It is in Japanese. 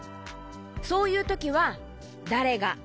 そういうときは「だれが」